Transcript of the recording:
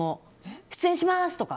出演します！